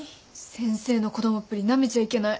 先生の子供っぷりなめちゃいけない。